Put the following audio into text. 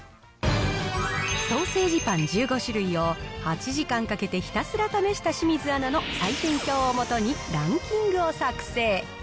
ソーセージパン１５種類を８時間かけてひたすら試した清水アナの採点表を基にランキングを作成。